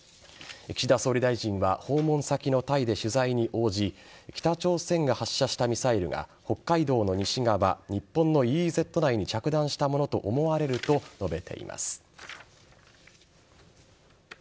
岸田総理大臣は訪問先のタイで取材に応じ北朝鮮が発射したミサイルが北海道の西側日本のＥＥＺ内に着弾したものと思われると述べています。